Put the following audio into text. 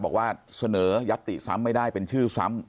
บอกว่าเสนอยัตติซ้ำไม่ได้เป็นชื่อซ้ำ